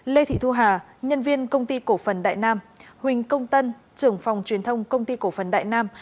lê thị thu hà nhân viên công ty cổ phần đại nam huỳnh công tân trưởng phòng truyền thông công ty cổ phần đại nam